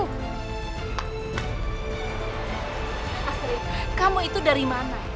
astrid kamu itu dari mana